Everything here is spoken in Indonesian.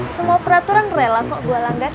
semua peraturan rela kok gue langgar